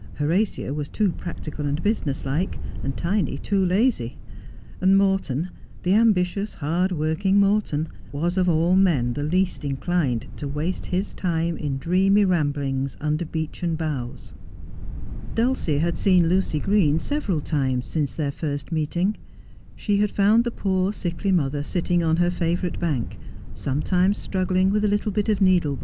Horatia was too practical and business like, Tiny too lazy. And Morton, the ambitious, hard working Morton, was of all men the least inclined to waste his time in dreamy ramblings under beechen boughs. Dulcie had seen Lucy Green several times since their first meeting. She had found the poor, sickly mother sitting on her favourite bank, sometimes struggling with a little bit of needle 270 Just as I Am.